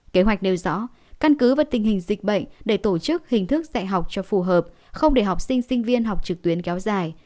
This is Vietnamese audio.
kế hoạch nêu rõ căn cứ và tình hình dịch bệnh để tổ chức hình thức dạy học cho phù hợp không để học sinh sinh viên học trực tuyến kéo dài